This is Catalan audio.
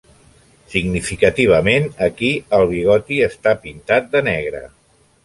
Significativament aquí, el bigoti està pintat de negre.